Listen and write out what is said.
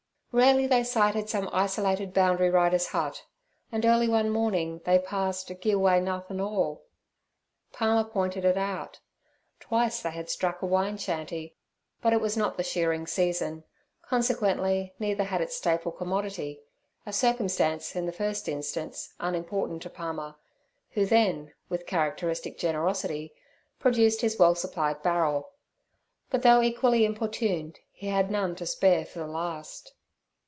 Rarely they sighted some isolated boundary rider's hut, and early one morning they passed 'Gi' Away Nothin' 'All.' Palmer pointed it out. Twice they had struck a wine shanty, but it was not the shearing season, consequently neither had its staple commodity—a circumstance, in the first instance, unimportant to Palmer, who then, with characteristic generosity, produced his well supplied barrel. But though equally importuned, he had none to spare for the last.